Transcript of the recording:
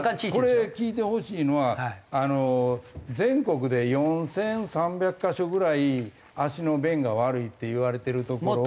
これ聞いてほしいのは全国で４３００カ所ぐらい足の便が悪いっていわれてる所を。